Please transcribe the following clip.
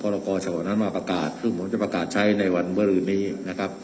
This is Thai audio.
ระกองอ๋อน้ำมาประกาศซึ่งผมจะประกาศใช้ในวันเวลิน